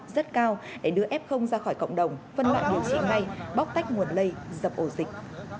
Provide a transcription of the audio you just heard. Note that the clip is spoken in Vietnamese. rất cao để đưa f ra khỏi cộng đồng phân loại điều trị may bóc tách nguồn lây dập ổ dịch